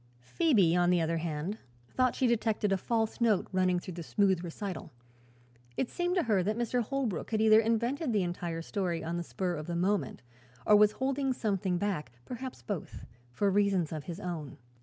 Phoebe, on the other hand, thought she detected a false note running through the smooth recital. It seemed to her that Mr. Holbrook had either invented the entire story on the spur of the moment or was holding something back perhaps both for reasons of his own.